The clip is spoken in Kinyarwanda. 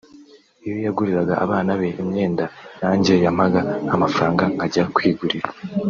iyo yaguriraga abana be imyenda nanjye yampaga amafranga nkajya kwigurira